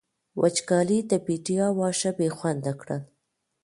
وچکالۍ د بېديا واښه بې خونده کړل.